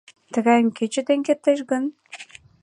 Тыгайым кӧ чытен кертеш гын?